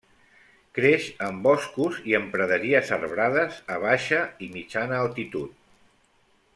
Creix en boscos i en praderies arbrades a baixa i mitjana altitud.